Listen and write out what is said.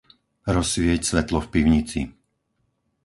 Rozsvieť svetlo v pivnici.